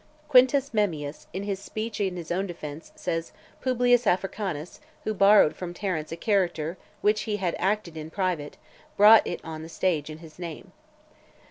Quintus Memmius, in his speech in his own defence, says "Publius Africanus, who borrowed from Terence a character which he had acted in private, brought it on the stage in his name."